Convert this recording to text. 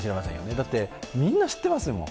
だって、みんな知っていますもん。